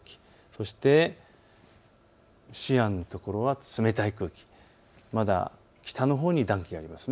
そしてシアンのところは冷たい空気、まだ北のほうに暖気があります。